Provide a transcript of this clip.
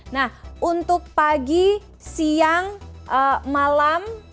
nah untuk pagi siang malam